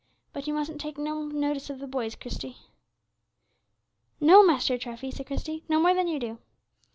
But you mustn't take no notice of the boys, Christie." "No, Master Treffy," said Christie; "no more than you do."